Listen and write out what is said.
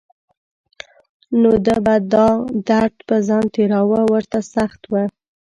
نو ده به دا درد په ځان تېراوه ورته سخت و.